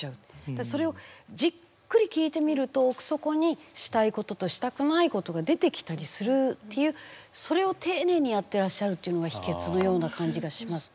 それをじっくり聞いてみると奥底にしたいこととしたくないことが出てきたりするっていうそれを丁寧にやってらっしゃるっていうのが秘けつのような感じがします。